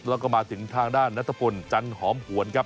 แล้วก็มาถึงทางด้านนัทพลจันหอมหวนครับ